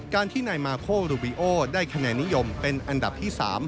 ที่นายมาโครูบิโอได้คะแนนนิยมเป็นอันดับที่๓